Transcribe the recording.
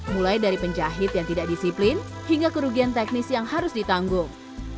mulai dari penjahit yang tidak disiplin hingga kerugian teknis yang harus ditanggung